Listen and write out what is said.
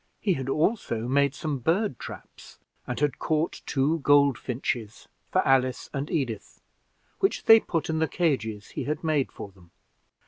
He had also made some bird traps, and had caught two goldfinches for Alice and Edith, which they put in the cages he had made for them.